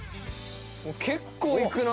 結構いくな！